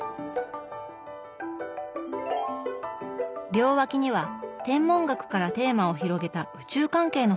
両脇には天文学からテーマを広げた宇宙関係の本が並びます。